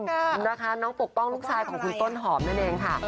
น้องปกป้องลูกชายของคุณต้นหอมนั่นเองค่ะ